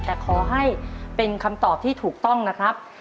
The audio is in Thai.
แต่ขอให้เป็นคำตอบที่ถูกต้องนะครับ